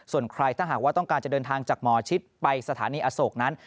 ส่วนใครถ้าหากว่าต้องการจะเดินทางจากหมอชิดไปสถานีอโศกนั้น